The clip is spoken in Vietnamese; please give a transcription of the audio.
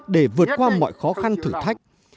để vượt qua mọi khó khăn thử thách